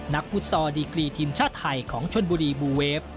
ฟุตซอลดีกรีทีมชาติไทยของชนบุรีบูเวฟ